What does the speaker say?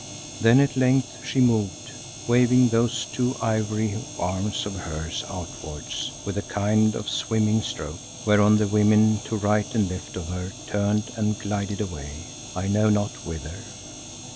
Then at length she moved, waving those two ivory arms of hers outwards with a kind of swimming stroke, whereon the women to right and left of her turned and glided away, I know not whither.